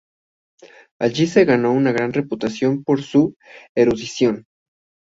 Allí se ganó una gran reputación por su erudición.